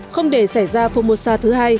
không để xảy ra phomosa thứ hai